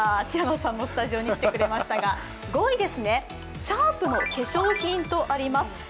ティラノさんもスタジオに来てくれましたが５位ですね、シャープの化粧品とあります。